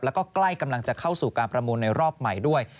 แล้วก็ใกล้กำลังจะเข้าสู่การประมูลในรอบใหม่ด้วย